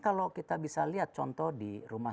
kalau kita bisa lihat contoh di rumah